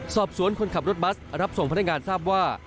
สอบสวนคนขับรถบัสรับส่งพนักงานทราบว่า